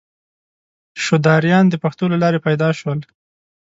شودرایان د پښو له لارې پیدا شول.